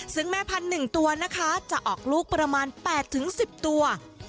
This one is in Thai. ซึ่งแม่พันธุ์๑ตัวนะคะจะออกลูกประมาณ๘๑๐ตัว